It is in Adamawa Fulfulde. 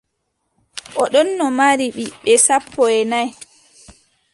O ɗonno mari ɓiɓɓe sappo e nay.